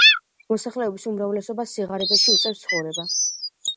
მოსახლეობის უმრავლესობას სიღარიბეში უწევს ცხოვრება.